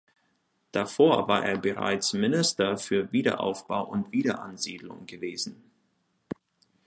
Davor war er bereits Minister für Wiederaufbau und Wiederansiedlung gewesen.